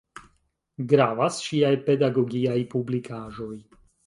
Gravas ŝiaj pedagogiaj publikaĵoj.